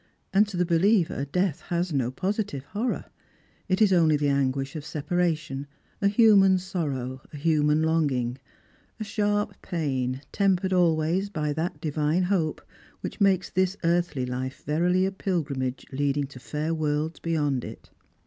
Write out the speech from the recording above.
And to the behever death has no positive horror ; it is only the anguish of separa< tion ; a human sorrow ; a human longing ; a sharp pain, tempered always by that divine hope which makes this earthly Hfe verily a pilgrimage leading to fair worlds beyond it.